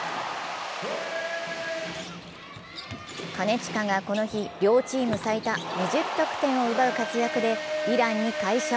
金近がこの日、両チーム最多２０得点を奪う活躍でイランに快勝。